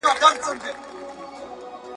نه پوهېږم پر دې لاره څرنګه ولاړم !.